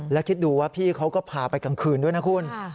แล้วคิดดูว่าพี่เขาก็พาไปกลางคืนด้วยนะคุณ